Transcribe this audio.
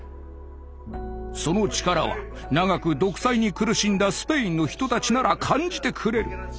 その力は長く独裁に苦しんだスペインの人たちなら感じてくれる。